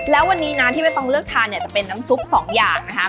แล้ววันนี้นะที่ไม่ต้องเลือกทานเนี่ยจะเป็นน้ำซุปสองอย่างนะครับ